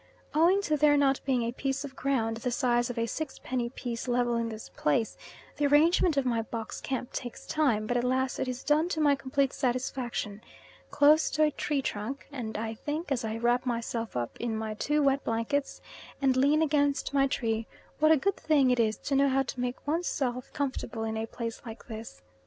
Owing to there not being a piece of ground the size of a sixpenny piece level in this place, the arrangement of my box camp takes time, but at last it is done to my complete satisfaction, close to a tree trunk, and I think, as I wrap myself up in my two wet blankets and lean against my tree, what a good thing it is to know how to make one's self comfortable in a place like this.